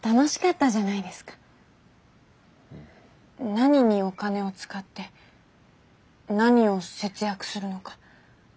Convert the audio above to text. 何にお金を使って何を節約するのか。